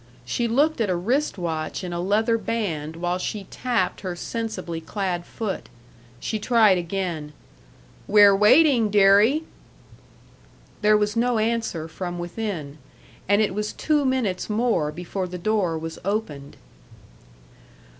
She looked at a wrist watch in a leather band while she tapped her sensibly clad foot. She tried again: "We're waiting, deary!" There was no answer from within, and it was two minutes more before the door was opened.